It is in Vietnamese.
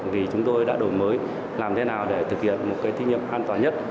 vì chúng tôi đã đổi mới làm thế nào để thực hiện một cái kinh nghiệm an toàn nhất